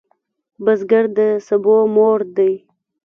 بزګر د سبو مور دی